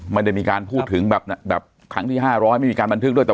มันจะมีการพูดถึงห้างที่๕๐๐มีการบันทึกว่า